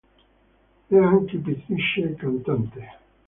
È anche pittrice e cantante.